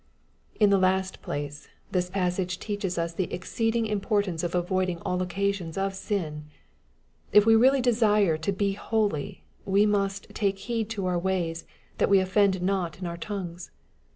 In the last place, this passage teaches us the exceed ing importance of avoiding aU occasions of sin. If we really desire to be holy, we must " take heed to our ways, that we oflFend not in our tongues."